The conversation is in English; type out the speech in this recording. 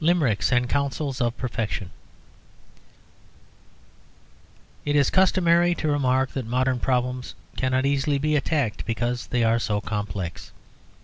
LIMERICKS AND COUNSELS OF PERFECTION It is customary to remark that modern problems cannot easily be attacked because they are so complex.